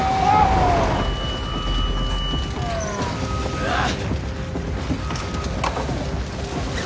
うわっ！